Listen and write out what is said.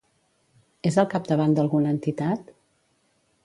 És al capdavant d'alguna entitat?